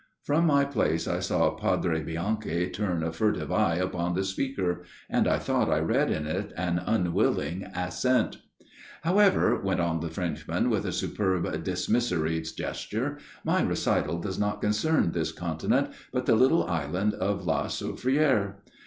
From my place I saw Padre Bianchi turn a furtive eye upon the speaker, and I thought I read in it an unwilling assent. " However," went on the Frenchman, with a superb dismissory gesture, " my recital does not concern this continent, but the little island of La Souffridre.